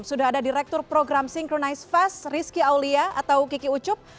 sudah ada direktur program synchronize fest rizky aulia atau kiki ucup